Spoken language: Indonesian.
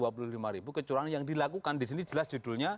dua puluh lima ribu kecurangan yang dilakukan disini jelas judulnya